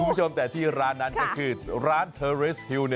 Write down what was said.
คุณผู้ชมแต่ที่ร้านนั้นก็คือร้านเทอร์เรสฮิว